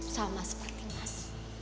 sama seperti mas